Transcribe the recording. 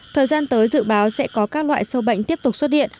thời gian tới dự báo sẽ có các loại sâu bệnh tiếp tục xuất hiện